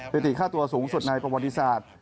ประติศาสตร์ค่าตัวสูงสุดในประวัติศาสตร์